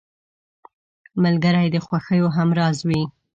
ملګری د خوښیو همراز وي